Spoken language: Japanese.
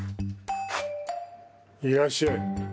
いらっしゃい。